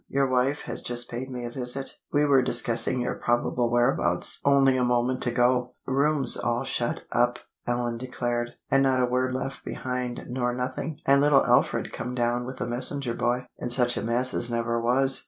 Your wife has just paid me a visit. We were discussing your probable whereabouts only a moment ago." "Rooms all shut up," Ellen declared, "and not a word left behind nor nothing, and little Alfred come down with a messenger boy, in such a mess as never was!"